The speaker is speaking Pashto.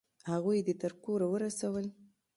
هغوی دې تر کوره ورسول؟